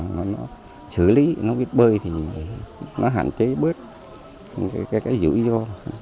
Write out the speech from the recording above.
nó xử lý nó biết bơi thì nó hạn chế bước cái dữ vô